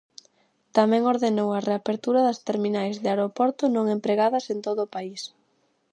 Tamén ordenou a reapertura das terminais de aeroporto non empregadas en todo o país.